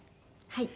はい。